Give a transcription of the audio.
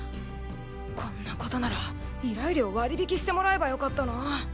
こんなことなら依頼料割り引きしてもらえばよかったな。